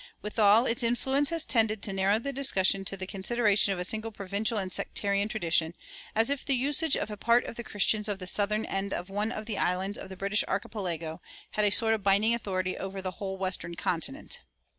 Withal, its influence has tended to narrow the discussion to the consideration of a single provincial and sectarian tradition, as if the usage of a part of the Christians of the southern end of one of the islands of the British archipelago had a sort of binding authority over the whole western continent.